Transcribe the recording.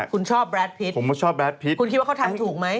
คุณคิดว่าเขาทำถูกมั้ย